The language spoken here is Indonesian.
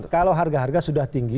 kalau harga harga sudah tinggi